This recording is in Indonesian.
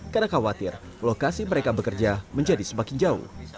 karena khawatir lokasi mereka bekerja menjadi semakin jauh